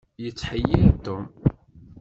Yetḥeyyeṛ Tom.